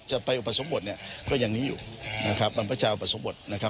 จะไปอุปสมบทเนี่ยก็ยังนี้อยู่นะครับบรรพเจ้าอุปสมบทนะครับ